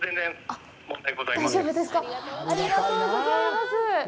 ありがとうございます。